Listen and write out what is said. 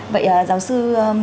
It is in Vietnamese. vậy giáo sư